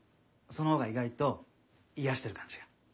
その方が意外と癒やしてる感じが。